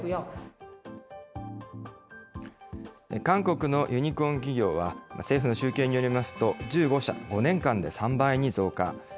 韓国のユニコーン企業は、政府の集計によりますと１５社、５年間で３倍に増加。